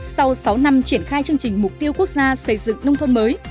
sau sáu năm triển khai chương trình mục tiêu quốc gia xây dựng nông thôn mới